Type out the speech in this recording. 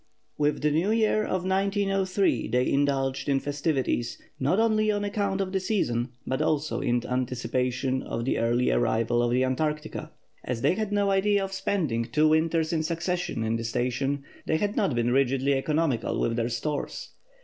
With the New Year of 1903 they indulged in festivities, not only on account of the season, but also in anticipation of the early arrival of the Antarctica. As they had no idea of spending two winters in succession in the station, they had not been rigidly economical with their stores.